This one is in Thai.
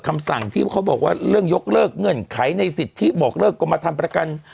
คำสั่งที่เขาบอกว่าเรื่องยกเลิกเงื่อนไขในสิทธิบอกเลิกกรมธรรมประกัน